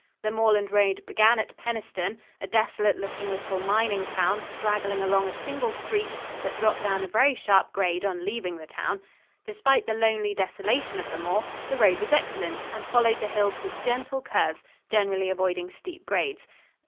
The moorland road began at Penistone, a desolate looking little mining town straggling along a single street that dropped down a very sharp grade on leaving the town. Despite the lonely desolation of the moor, the road was excellent, and followed the hills with gentle curves, generally avoiding steep grades.